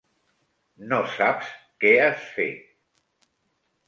No saps què has fet.